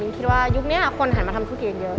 คิดว่ายุคนี้คนหันมาทำธุรกิจกันเยอะ